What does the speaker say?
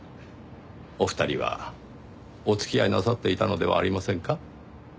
お二人はお付き合いなさっていたのではありませんか？